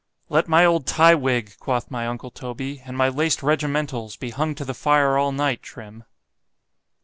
——Let my old tye wig, quoth my uncle Toby, and my laced regimentals, be hung to the fire all night, _Trim.